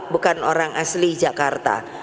bukan orang asli jakarta